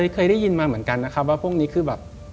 เคยได้ยินมาเหมือนกันนะครับว่าพวกนี้คือแบบ